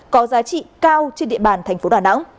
có giá trị cao trên địa bàn tp đà nẵng